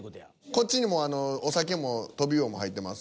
こっちにもお酒もトビウオも入ってます。